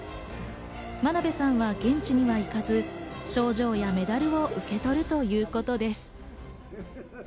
真鍋さんは現地には行かず、賞状やメダルを受け取るということです。